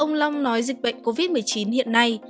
ông long nói dịch bệnh covid một mươi chín hiện nay